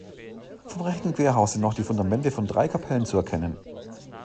Vom rechten Querhaus sind noch die Fundamente von drei Kapellen zu erkennen.